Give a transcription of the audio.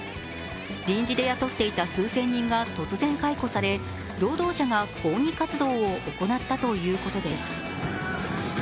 臨時で雇っていた数千人が突然解雇され、労働者が抗議活動を行ったということです。